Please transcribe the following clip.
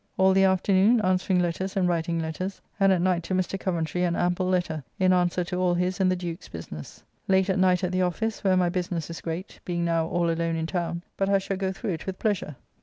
All the afternoon answering letters and writing letters, and at night to Mr. Coventry an ample letter in answer to all his and the Duke's business. Late at night at the office, where my business is great, being now all alone in town, but I shall go through it with pleasure.